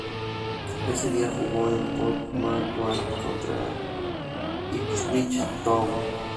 Ese día jugó, en Portman Road, contra Ipswich Town.